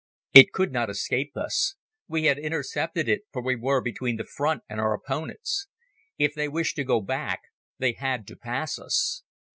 It could not escape us. We had intercepted it, for we were between the Front and our opponents. If they wished to go back they had to pass us.